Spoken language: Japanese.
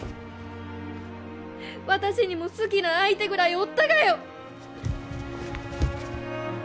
私にも好きな相手ぐらいおったがよ！